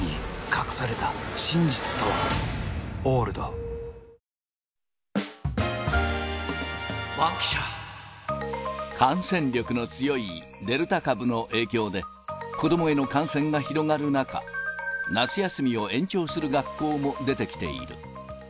パソコン持ちながら、先生、感染力の強いデルタ株の影響で、子どもへの感染が広がる中、夏休みを延長する学校も出てきている。